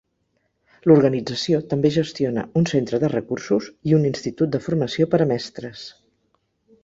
L'organització també gestiona un centre de recursos i un institut de formació per a mestres.